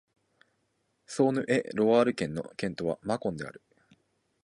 ソーヌ＝エ＝ロワール県の県都はマコンである